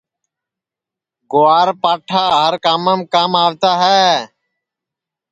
گُوار پاٹھا ہر کامام کام آوتا ہے